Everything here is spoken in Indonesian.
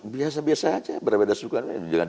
biasa biasa saja berbeda sukuan